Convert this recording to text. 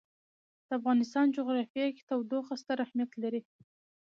د افغانستان جغرافیه کې تودوخه ستر اهمیت لري.